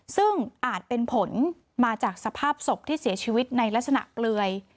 ซึ่งอาจเป็นผลมาจากสภาพศพที่เสียชีวิตในลักษณะเปลือย